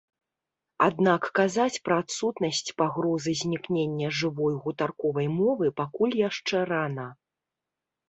Аднак казаць пра адсутнасць пагрозы знікнення жывой гутарковай мовы пакуль яшчэ рана.